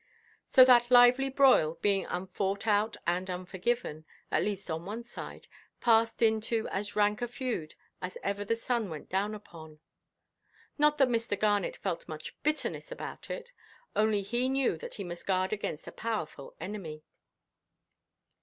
So that lively broil, being unfought out and unforgiven—at least on one side—passed into as rank a feud as ever the sun went down upon. Not that Mr. Garnet felt much bitterness about it; only he knew that he must guard against a powerful enemy.